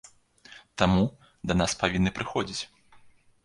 Таму, да нас павінны прыходзіць.